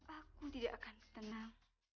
aku tidak akan tenang